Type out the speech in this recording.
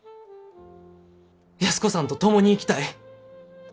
安子さんと共に生きたい。